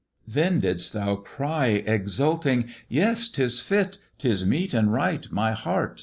"Then didst thou cry, exulting, 'Yes, 'tis fit, 'Tis meet and right, my heart!